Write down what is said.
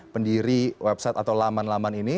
pendiri website atau laman laman ini